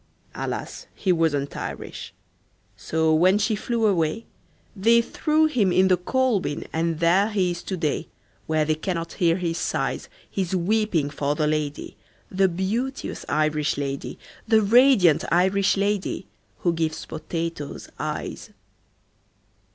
Alas, he wasn't Irish. So when she flew away, They threw him in the coal bin And there he is to day, Where they cannot hear his sighs His weeping for the lady, The beauteous Irish lady, The radiant Irish lady Who gives potatoes eyes."